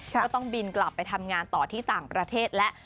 ก็ต้องบินกลับไปทำงานต่อที่ต่างประเทศแล้ว